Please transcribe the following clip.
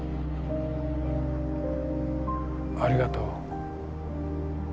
ありがとう。